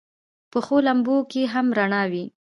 پخو لمبو کې هم رڼا وي